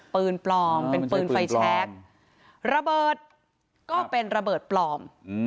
ปืนปลอมเป็นปืนไฟแชคระเบิดก็เป็นระเบิดปลอม